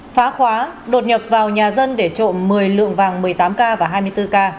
phá khóa đột nhập vào nhà dân để trộm một mươi lượng vàng một mươi tám k và hai mươi bốn k